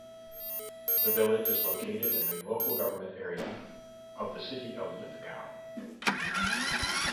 The village is located in the local government area of the City of Lithgow.